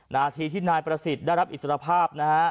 นาทีที่นายประสิทธิ์ได้รับอิสรภาพนะฮะ